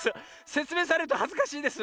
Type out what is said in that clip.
せつめいされるとはずかしいです。